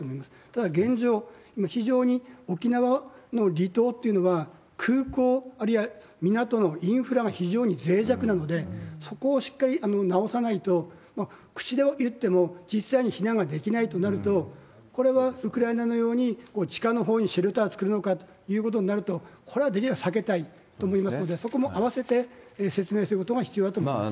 ただ、現状、今非常に沖縄の離島っていうのは、空港、あるいは港のインフラが非常にぜい弱なので、そこをしっかり直さないと、口では言っても、実際に避難ができないとなると、これはウクライナのように地下のほうにシェルター造るのかということになると、これはできるだけ避けたいと思いますので、そこも合わせて説明することが必要だと思います。